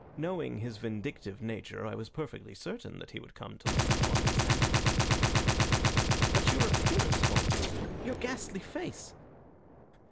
Knowing his vindictive nature, I was perfectly certain that he would come to look upon his handiwork." "But your appearance, Holmes your ghastly face?"